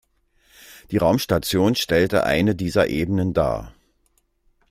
Die Raumstation stellte eine dieser Ebenen dar.